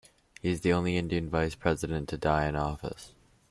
He is the only Indian Vice President to die in office.